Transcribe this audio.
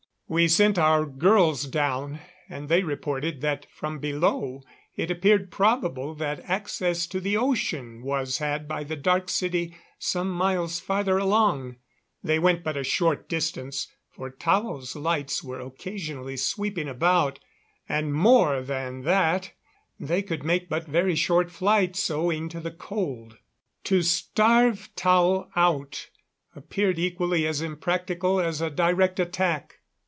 We sent our girls down, and they reported that from below it appeared probable that access to the ocean was had by the Dark City some miles farther along. They went but a short distance, for Tao's lights were occasionally sweeping about; and more than that, they could make but very short flights, owing to the cold. To starve Tao out appeared equally as impractical as a direct attack.